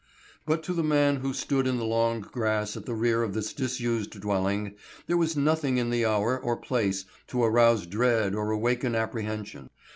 But to the man who stood in the long grass at the rear of this disused dwelling there was nothing in the hour or place to arouse dread or awaken apprehension.